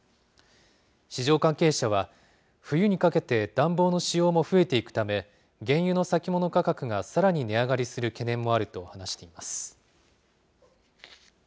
市場関係者は、冬にかけて暖房の使用も増えていくため、原油の先物価格がさらに値上がりする懸念もあると話しています。